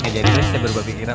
jadi jadi saya baru berpikiran